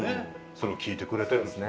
それを聞いてくれてるんですね。